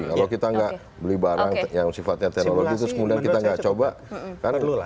kalau kita tidak beli barang yang sifatnya itu tidak bisa di hack ya kan